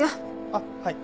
あっはい。